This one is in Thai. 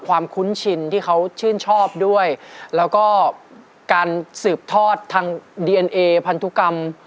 คุ้นชินที่เขาชื่นชอบด้วยแล้วก็การสืบทอดทางดีเอ็นเอพันธุกรรม